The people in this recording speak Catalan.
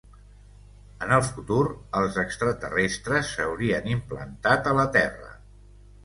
En el futur, els extraterrestres s'haurien implantat a la Terra.